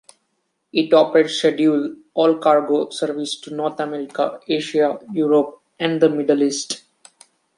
It operates scheduled all-cargo services to North America, Asia, Europe, and the Middle East.